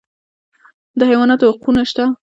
د حیواناتو حقونه شته